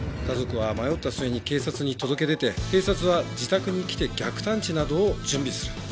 家族は迷った末に警察に届け出て警察は自宅に来て逆探知などを準備する。